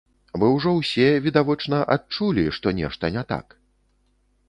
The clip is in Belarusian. Вы ўжо ўсе, відавочна, адчулі, што нешта не так?